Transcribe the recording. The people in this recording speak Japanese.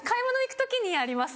あります